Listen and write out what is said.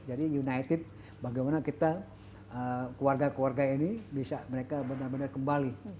jadi united bagaimana kita keluarga keluarga ini bisa mereka benar benar kembali